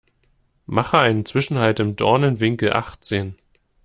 Mache einen Zwischenhalt im Dornenwinkel achtzehn.